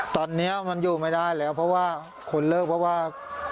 ตอนนี้มันอยู่ไม่ได้แล้วคนเลิกเพราะว่า